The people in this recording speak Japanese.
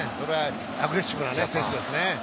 アグレッシブな選手です。